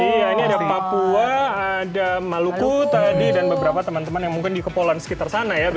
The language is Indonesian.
iya ini ada papua ada maluku tadi dan beberapa teman teman yang mungkin di kepulauan sekitar sana ya